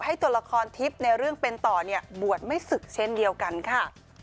ตัวละครทิพย์ในเรื่องเป็นต่อเนี่ยบวชไม่ศึกเช่นเดียวกันค่ะ